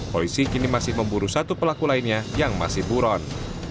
polisi kini masih memburu satu pelaku lainnya yang masih buron